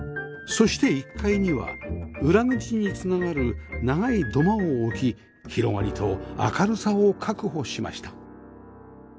そして１階には裏口に繋がる長い土間を置き広がりと明るさを確保しました